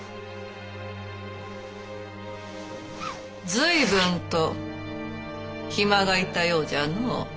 随分と暇がいったようじゃのう。